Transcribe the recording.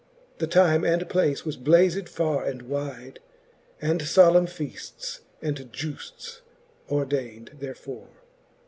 The time and place was blazed farre and wide; And fblemne feafts and giufts ordaind therefore.